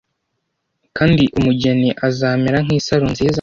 kandi umugeni azamera nkisaro nziza